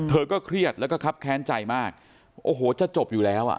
เครียดแล้วก็ครับแค้นใจมากโอ้โหจะจบอยู่แล้วอ่ะ